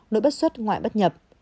nỗi bất xuất ngoại bất nhập